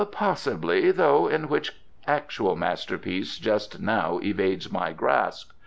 "Possibly, though in which actual masterpiece just now evades my grasp.